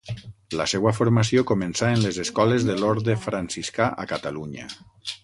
La seua formació començà en les escoles de l'orde franciscà a Catalunya.